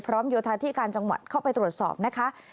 พร้อมยวทาที่การจังหวัดเข้าไปตรวจสอบนะคะ